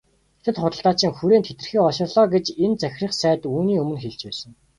Хятад худалдаачин хүрээнд хэтэрхий олширлоо гэж энэ захирах сайд үүний өмнө хэлж байсан.